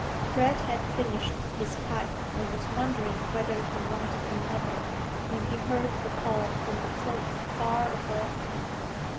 Fred had finished his pipe and was wondering whether he wanted another, when he heard a call from the cliff far above him.